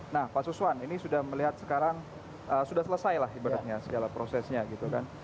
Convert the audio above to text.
nah pak suswan ini sudah melihat sekarang sudah selesai lah ibaratnya segala prosesnya gitu kan